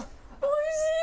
おいしい！